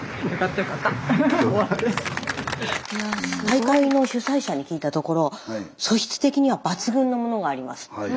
大会の主催者に聞いたところ素質的には抜群のものがあります。